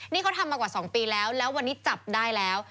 นี่เขาทำมากว่า๒ปีแล้วแล้ววันนี้จับได้แล้ว